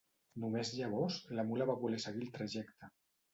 Només llavors la mula va voler seguir el trajecte.